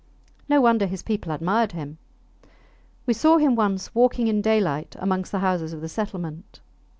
No wonder his people admired him. We saw him once walking in daylight amongst the houses of the settlement.